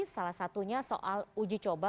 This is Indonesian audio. salah satunya soal uji coba